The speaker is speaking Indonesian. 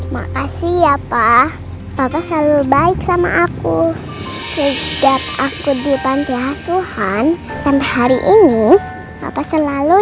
makasih ya pak selalu baik sama aku sejak aku di pantai hasuhan sampai hari ini selalu